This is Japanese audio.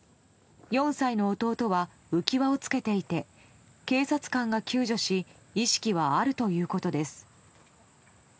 ４歳の弟は浮き輪をつけていて警察官が救助し意識はあるということです。